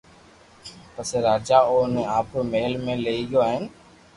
پسو راجا اوني آپرو مھل ۾ لئي گيو ھين